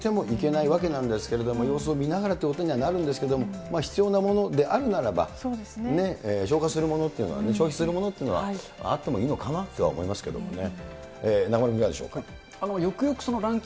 慌て過ぎてもいけない、買いだめし過ぎてもいけないわけなんですけれども、様子を見ながらということになるんですけれども、必要なものであるならば、消化するものというのは、消費するものというのは、あってもいいのかなとは思いますけどもね。